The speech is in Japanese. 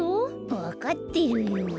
わかってるよ。